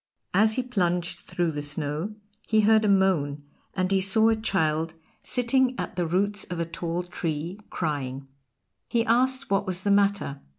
As he plunged through the snow he heard a moan, and he saw a child sitting at the roots of a tall tree crying. He asked what was the matter.